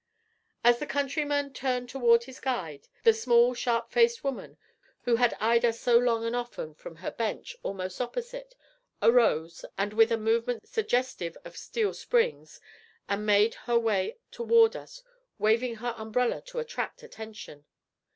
As the countryman turned toward his guide, the small sharp faced woman, who had eyed us so long and often from her bench almost opposite, arose with a movement suggestive of steel springs, and made her way toward us, waving her umbrella to attract attention.